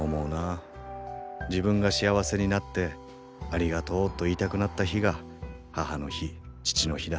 自分が幸せになってありがとうと言いたくなった日が母の日父の日だ。